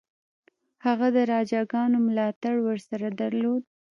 هغه د راجاګانو ملاتړ ورسره درلود.